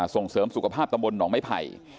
ส่งเสริมสุขภาพตำบลหนองไม้ไผ่